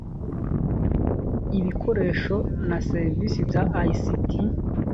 ibikoresho na serivisi bya ict